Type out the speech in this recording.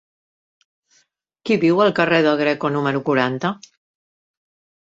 Qui viu al carrer del Greco número quaranta?